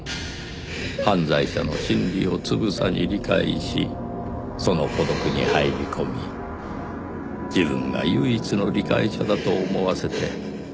犯罪者の心理をつぶさに理解しその孤独に入り込み自分が唯一の理解者だと思わせて自供させる。